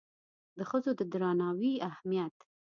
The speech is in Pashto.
د ښځو د درناوي اهمیت